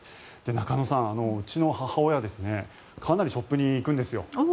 中野さん、うちの母親はかなりショップに行くんですよ。